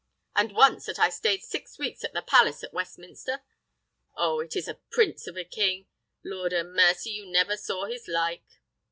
And once that I staid six weeks at the Palace at Westminster? Oh! it is a prince of a king! Lord a' mercy! you never saw his like!"